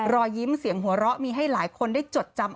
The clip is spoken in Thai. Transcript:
รอยยิ้มเสียงหัวเราะมีให้หลายคนได้จดจำ